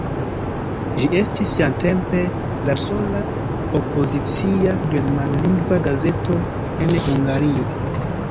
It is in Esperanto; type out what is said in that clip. Ĝi estis siatempe la sola opozicia germanlingva gazeto en Hungario.